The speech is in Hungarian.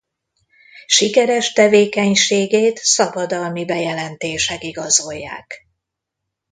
Sikeres tevékenységét szabadalmi bejelentések igazolják.